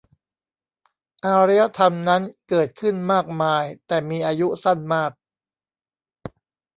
อารยธรรมนั้นเกิดขึ้นมากมายแต่มีอายุสั้นมาก